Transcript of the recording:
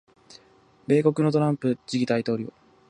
米国のトランプ次期大統領